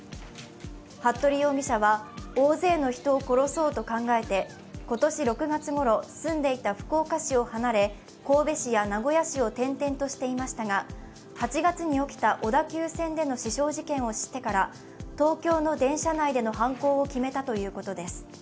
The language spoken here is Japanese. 服部容疑者は大勢の人を殺そうと考えて、今年６月ごろ、住んでいた福岡市を離れ神戸市や名古屋市を転々としていましたが８月に起きた小田急線での刺傷事件を知ってから東京の電車内での犯行を決めたということです。